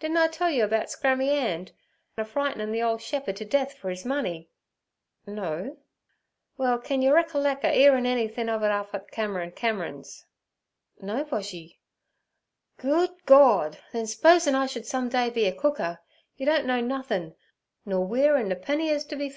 'Didn' I tell yer about Scrammy 'And a frightin' the ole shep'e'd t' death fer his money?' 'No.' 'Well, can yer reckerlec a 'earin' anythin' ov it up et Cameron Cameron's?' 'No, Boshy.' 'Good Gord! then s'posin' I should some day be a cooker, yer don't know nothin', nor weer an napenny is to be foun'.